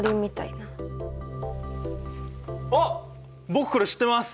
あっ僕これ知ってます。